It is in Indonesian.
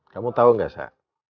kamu tahu nggak sa